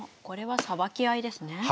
これはさばき合いですね。